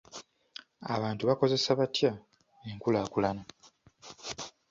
Abantu bakosa batya enkulaakulana?